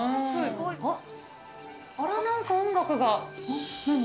あっ、あら、なんか音楽が。